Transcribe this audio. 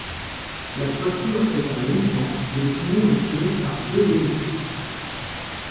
La toiture est à longs pans et le pignon est couvert par deux demi-croupes.